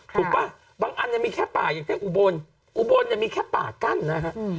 ถูกปะบางอันยังมีแค่ป่าอย่างแค่อุบลอุบลยังมีแค่ป่ากั้นนะครับ